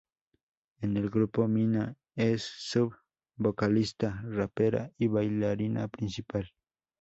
En el grupo Mina es sub-vocalista, rapera y bailarina principal.